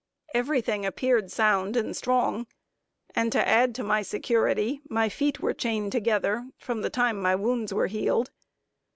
Every thing appeared sound and strong, and to add to my security, my feet were chained together, from the time my wounds were healed.